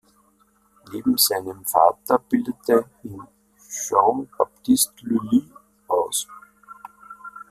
Neben seinem Vater bildete ihn Jean-Baptiste Lully aus.